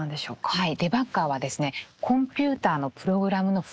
はい。